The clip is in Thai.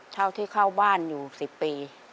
เท่าที่เข้าบ้านอยู่๑๐ปี